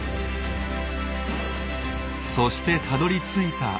そしてたどりついた浅瀬。